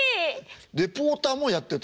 リポーターもやってた。